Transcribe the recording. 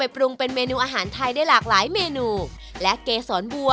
ปรุงเป็นเมนูอาหารไทยได้หลากหลายเมนูและเกษรบัว